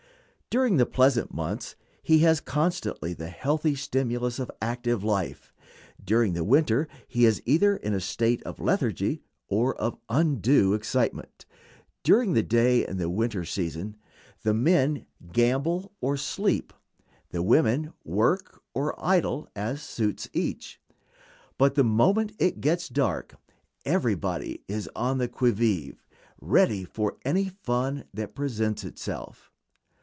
During the pleasant months he has constantly the healthy stimulus of active life; during the winter he is either in a state of lethargy or of undue excitement. During the day, in the winter season, the men gamble or sleep, the women work or idle, as suits each; but the moment it gets dark everybody is on the qui vive, ready for any fun that presents itself.